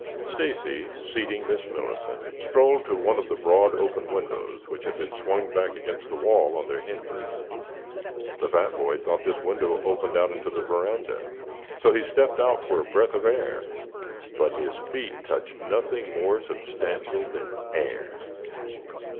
Stacy, seating Miss Millicent, strolled to one of the broad, open windows which had been swung back against the wall on their hinges. The fat boy thought this window opened out on the veranda, so he stepped out for a breath of air, but his feet touched nothing more substantial than air.